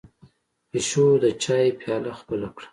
پيشو د چای پياله خپله کړه.